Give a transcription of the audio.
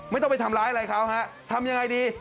ไม่ต้องไปทำร้ายอะไรเขาฮะทำยังไงดี